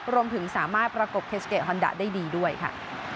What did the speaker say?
รวมถึงสามารถประกบเคสเกตฮอนดาได้ดีด้วยค่ะ